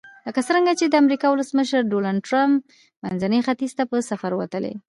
لکه څرنګه چې د امریکا ولسمشر ډونلډ ټرمپ منځني ختیځ ته په سفر وتلی.